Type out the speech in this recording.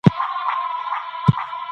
ډاکټر زیار د پوهې د خپراوي هڅه کوله.